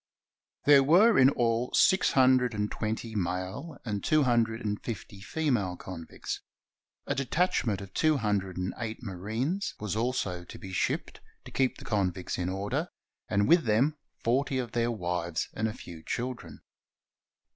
There were in all six hundred and twenty male and two hundred and fifty female convicts. A detachment of two hundred and eight marines was also to be shipped, to keep the convicts in order, and with them forty of their wives and a few children.